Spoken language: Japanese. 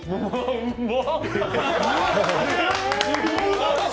うまっ！